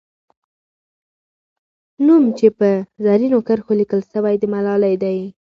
نوم چې په زرینو کرښو لیکل سوی، د ملالۍ دی.